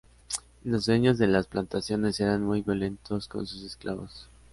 Los dueños de las plantaciones eran muy violentos con sus esclavos.